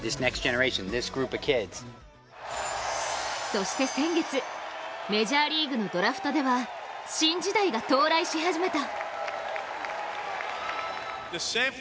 そして先月、メジャーリーグのドラフトでは新時代が到来しはじめた。